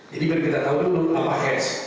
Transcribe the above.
jadi biar kita tahu dulu apa hash